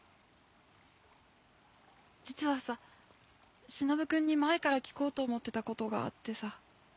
実はさしのぶくんに前から聞こうと思ってたことがあってさ。